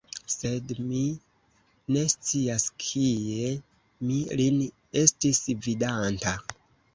Sed mi ne scias, kie mi lin estis vidanta.